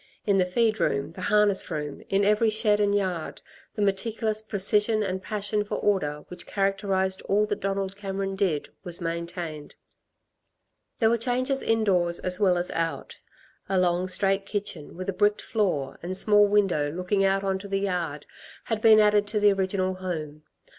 In the feed room, the harness room, in every shed and yard, the meticulous precision and passion for order which characterised all that Donald Cameron did, was maintained. There were changes indoors as well as out. A long straight kitchen, with a bricked floor and small window looking out on to the yard, had been added to the original home.